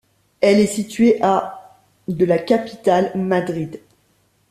Elle est située à de la capitale Madrid.